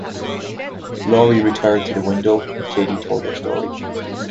Laurie retired to the window, and Katie told her story.